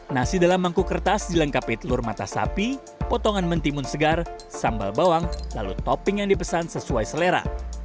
nasi dalam mangkuk kertas dilengkapi telur mata sapi potongan mentimun segar sambal bawang lalu topping yang dipesan sesuai selera